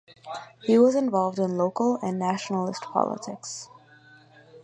He was involved in local and nationalist politics.